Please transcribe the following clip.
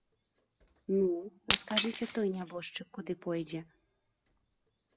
Ну, а скажыце, той нябожчык куды пойдзе?